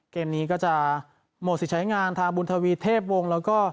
เกมนี้ก็จะหมดสิทธิ์ใช้งานทางบุญทวีเทพวงศ์แล้วก็